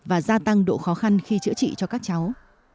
và gia tăng độ khó khăn khi chữa trị cho các cháu